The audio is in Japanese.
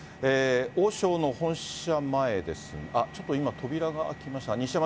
王将の本社前です、あっ、ちょっと今、扉が開きましたか。